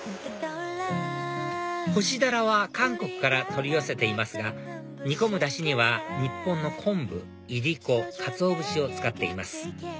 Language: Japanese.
干しダラは韓国から取り寄せていますが煮込むダシには日本の昆布いりこかつお節を使っています